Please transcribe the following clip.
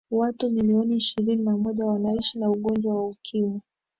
watu milioni ishirini na moja wanaishi na ugonjwa wa ukimwi